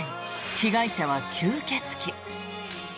被害者は吸血鬼。